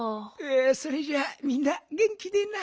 それじゃあみんなげん気でな。